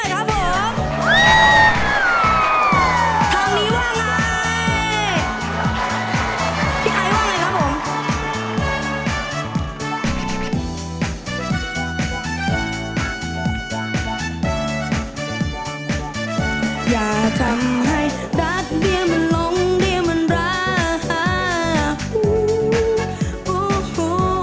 อย่าทำให้รักเดียมันลงเดียมันรัก